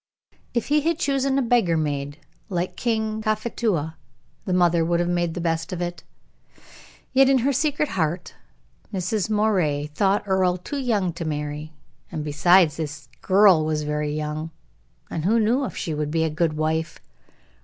If he had chosen a beggar maid, like King Cophetua, the mother would have made the best of it. Yet in her secret heart Mrs. Moray thought Earle too young to marry, and, besides, this girl was very young, and who knew if she would be a good wife.